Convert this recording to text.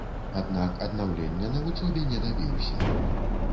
Аднак аднаўлення на вучобе не дабіўся.